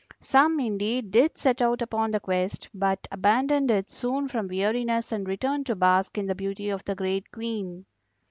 Some, indeed, did set out upon the quest, but abandoned it soon from weariness and returned to bask in the beauty of the great Queen.